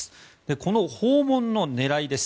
この訪問の狙いです。